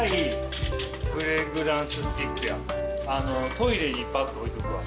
トイレにバッと置いとくわ。